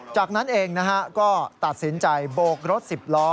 จากนั้นเองก็ตัดสินใจโบกรถสิบล้อ